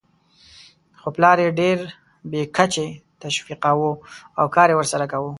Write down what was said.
خو پلار یې ډېر بې کچې تشویقاوو او کار یې ورسره کاوه.